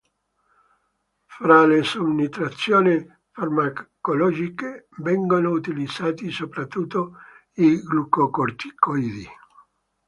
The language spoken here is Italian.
Fra le somministrazioni farmacologiche vengono utilizzati soprattutto i glucocorticoidi.